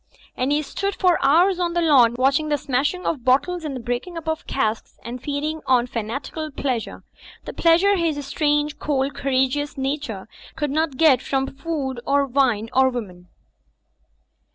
And he stood for hours on the lawn, watching the smashing of bottles and the breaking up of casks and feeding on fanatical pleasure: the pleasure his strange, cold, courageous nature could not get from food or wme or woman.